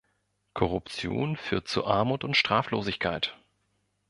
Korruption führt zu Armut und Straflosigkeit.